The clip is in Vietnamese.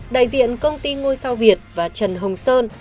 đại diện công ty ngôi sao việt và trần hồng sơn